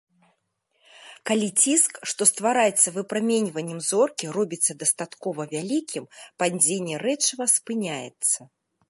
Калі ціск, што ствараецца выпраменьваннем зоркі, робіцца дастаткова вялікім, падзенне рэчыва спыняецца.